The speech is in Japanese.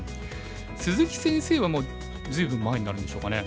鈴木先生はもう随分前になるんでしょうかね？